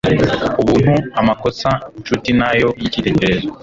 Ubuntu amakosa nshuti nayo yicyitegererezo